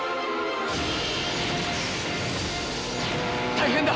大変だ！